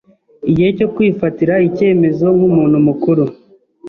Igihe cyo kwifatira icyemezo nk’umuntu mukuru